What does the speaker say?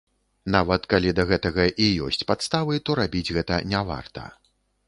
Нават калі да гэтага і ёсць падставы, то рабіць гэта не варта.